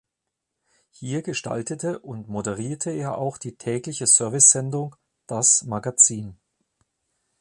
Hier gestaltete und moderierte er auch die tägliche Service-Sendung "Das Magazin".